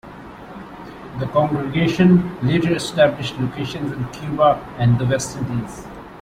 The congregation later established locations in Cuba and the West Indies.